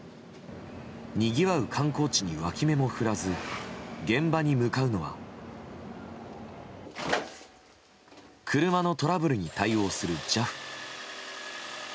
にぎわう観光地にわき目も振らず現場に向かうのは車のトラブルに対応するＪＡＦ。